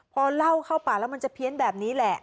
พอเหล้าเข้าป่าแล้วมันจะเพี้ยนแบบนี้แหละ